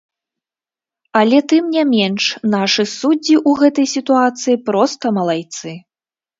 Але тым не менш нашы суддзі ў гэтай сітуацыі проста малайцы.